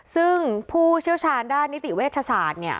ซึ่งผู้เชี่ยวชาญด้านนิติเวชศาสตร์เนี่ย